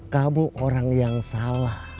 kamu orang yang salah